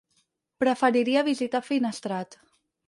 Preferiria visitar Finestrat.